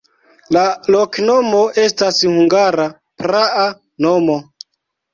La loknomo estas hungara praa nomo.